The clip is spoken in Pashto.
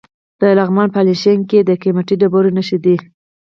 د لغمان په علیشنګ کې د قیمتي ډبرو نښې دي.